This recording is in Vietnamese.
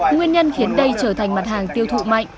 nguyên nhân khiến đây trở thành mặt hàng tiêu thụ mạnh